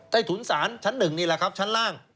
ถุนศาลชั้น๑นี่แหละครับชั้นล่าง